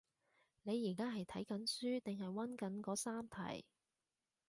你而家係睇緊書定係揾緊嗰三題？